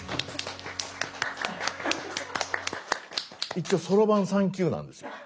一応そろばん３級なんですよ。